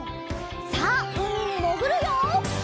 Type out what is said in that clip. さあうみにもぐるよ！